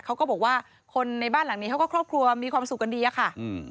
เขาก็บอกว่าคนในบ้านหลังนี้เขาก็ครอบครัวมีความสุขกันดีอะค่ะอืม